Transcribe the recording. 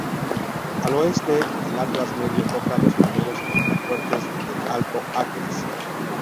Al oeste, el Atlas Medio toca los primeros contrafuertes del Alto Atlas.